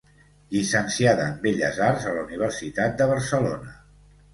Llicenciada en Belles Arts a la Universitat de Barcelona.